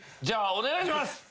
じゃあお願いします。